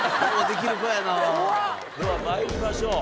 では参りましょう。